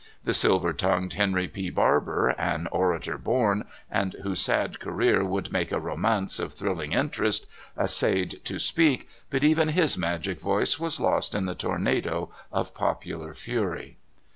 The silver tongued Henry P. Barber, an orator born, and whose sad career would make a romance of thrilling interest, essayed to speak, but even his magic voice was lost in the tornado of popular fury.